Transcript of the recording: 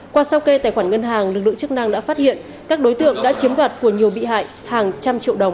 qua sau kê tài khoản ngân hàng lực lượng chức năng đã phát hiện các đối tượng đã chiếm đoạt của nhiều bị hại hàng trăm triệu đồng